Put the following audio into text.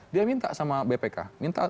dia minta sama bpk minta